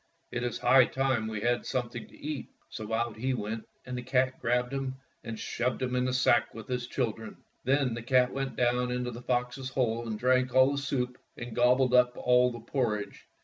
It is high time we had something to eat." So out he went, and the cat grabbed him and shoved him into the sack with his chil dren. Then the cat went down into the fox's hole and drank all the soup and gobbled up all the porridge.